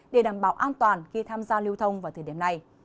để đảm bảo an toàn khi tham gia lưu thông vào thời điểm này